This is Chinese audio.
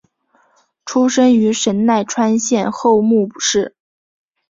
出身于神奈川县厚木市。